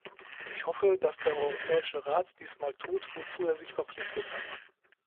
Ich hoffe, dass der Europäische Rat diesmal tut, wozu er sich verpflichtet hat.